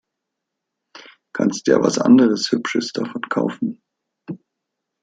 Kannst ja was anderes Hübsches davon kaufen.